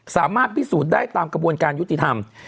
สามารถพิสูจน์ได้ตามกระบวนการยุติธรรม